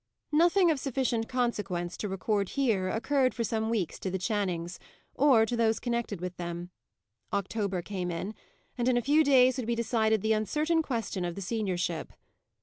Nothing of sufficient consequence to record here, occurred for some weeks to the Channings, or to those connected with them. October came in; and in a few days would be decided the uncertain question of the seniorship.